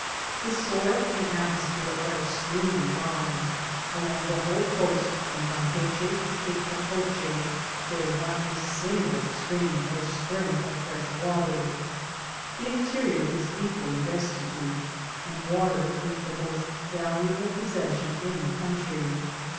The soil and atmo sphere are extremely dry ; along the whole coast, from Campeachy to Cape Catoche, there is not a single stream or spring of fresh water. The interior is equally desti tute ; and water is the most valuable possession in the country.